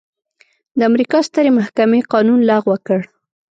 د امریکا سترې محکمې قانون لغوه کړ.